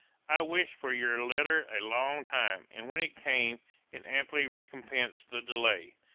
I wished for your letter a long time, and when it came, it amply recompensed the delay.